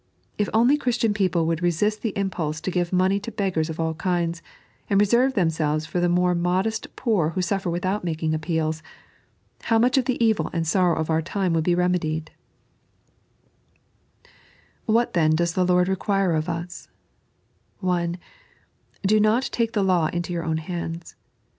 If only Christian people would resist the impulse to give money to beggars of all kinds, and reserve themselves for the more modest poor who suffer without making appeals, how much of the evil and sorrow of our time would be remedied I What then does the Lord require of us 1 (1) Bo not take the lavs itUo your own hande.